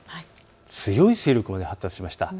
強い勢力まで発達しました。